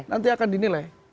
nanti akan dinilai